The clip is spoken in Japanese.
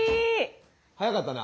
早かったな。